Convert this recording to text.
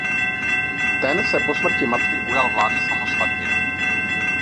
Ten se po smrti matky ujal vlády samostatně.